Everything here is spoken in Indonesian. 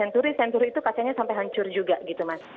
di sensur itu kasianya sampai hancur juga gitu mas